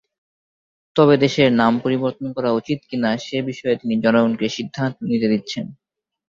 তবে, দেশের নাম পরিবর্তন করা উচিত কিনা সে বিষয়ে তিনি জনগণকে সিদ্ধান্ত নিতে দিচ্ছেন।